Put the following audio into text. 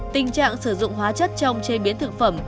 tình trạng sử dụng hóa chất trong chế biến thực phẩm